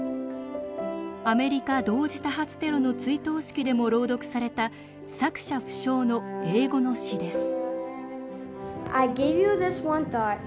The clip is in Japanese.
アメリカ同時多発テロの追悼式でも朗読された作者不詳の英語の詩です。